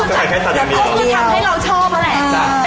ก็คือทำให้เราชอบอะแหละ